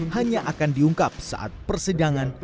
hanya akan diungkap saat persidangan